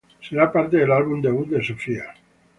Sera parte del álbum debut de Sofia.